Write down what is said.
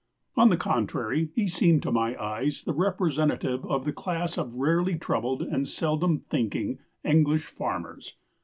On the contrary, he seemed to my eyes the representative of the class of rarely troubled, and seldom thinking, English farmers.